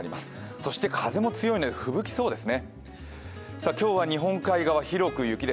そして風も強いので吹雪きそうですね。